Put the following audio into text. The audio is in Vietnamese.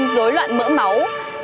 bốn mươi sáu dối loạn mỡ máu